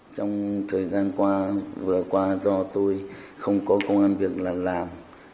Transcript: trong thời gian qua vừa qua do tôi không có công an việc làm